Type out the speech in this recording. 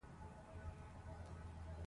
مجاهد د خپل رب رضا ته چمتو وي.